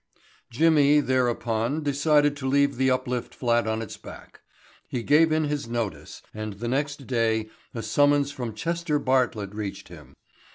Jimmy thereupon decided to leave the uplift flat on its back. He gave in his notice and the next day a summons from Chester Bartlett reached him.